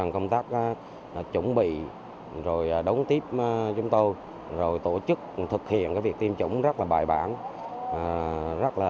công tác chuẩn bị đống tiếp chúng tôi tổ chức thực hiện việc tiêm chủng rất bài bản rất chú đáo